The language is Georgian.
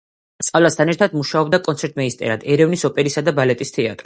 სწავლასთან ერთად მუშაობდა კონცერტმაისტერად ერევნის ოპერისა და ბალეტის თეატრში.